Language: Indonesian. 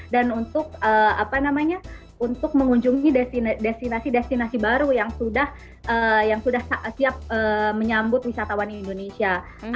dan untuk mengunjungi destinasi destinasi baru yang sudah siap menyambut wisatawan indonesia